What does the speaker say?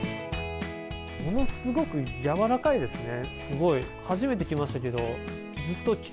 ものすごくやわらかいですね。